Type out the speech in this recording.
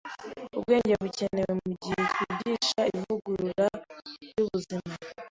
Ubwenge Bukenewe mu Gihe Twigisha Ivugurura ry’Ubuzima